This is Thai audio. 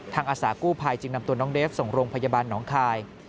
อาสากู้ภัยจึงนำตัวน้องเดฟส่งโรงพยาบาลหนองคาย